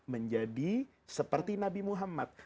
menjadi seperti nabi muhammad